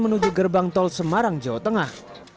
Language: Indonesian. menuju gerbang tol semarang jawa tengah